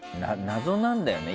謎なんだよね。